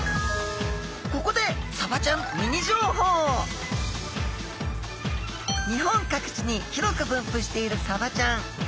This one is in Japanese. ここで日本各地に広く分布しているサバちゃん。